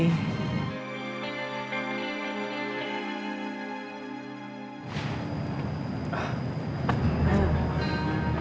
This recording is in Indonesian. mas kok kesini sih